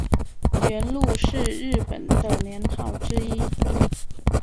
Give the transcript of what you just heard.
元禄是日本的年号之一。